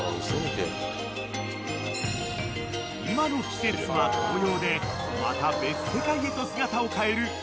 ［今の季節は紅葉でまた別世界へと姿を変える天空の集落］